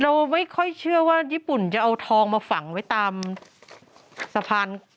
เราไม่ค่อยเชื่อว่าญี่ปุ่นจะเอาทองมาฝังไว้ตามสะพาน